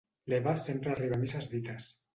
L'Eva sempre arriba a misses dites.